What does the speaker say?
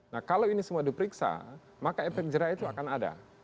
nah kalau ini semua diperiksa maka efek jerah itu akan ada